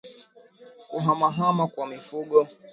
Kuhamahama kwa mifugo